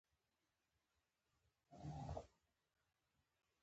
د بدن په ژبې ترې ویل کیږي.